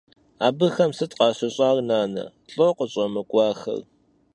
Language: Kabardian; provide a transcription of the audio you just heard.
Abıxem sıt khaşış'ar, nane? Lh'o khış'emık'uaxer?